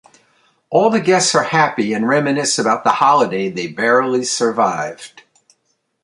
All the guests are happy and reminisce about the holiday they barely survived.